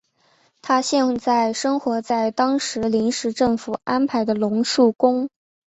他现在生活在当时临时政府安排的龙树宫。